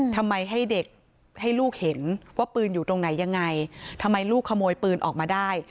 ทำไมให้เด็กให้ลูกเห็นว่าปืนอยู่ตรงไหนยังไงทำไมลูกขโมยปืนออกมาได้